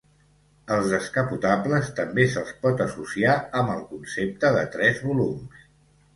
Els descapotables també se'ls pot associar amb el concepte de tres volums.